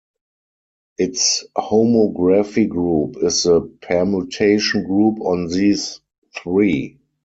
Its homography group is the permutation group on these three.